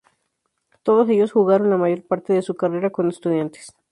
Todos ellos jugaron la mayor parte de su carrera con Estudiantes.